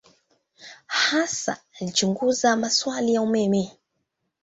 Hasa alichunguza maswali ya umeme.